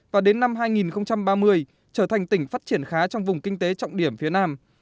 và đến năm hai nghìn ba mươi trở thành tỉnh phát triển khá trong vùng kinh tế trọng điểm phía nam